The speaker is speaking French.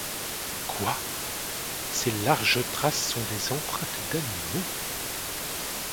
Quoi ! ces larges traces sont des empreintes d’animaux ?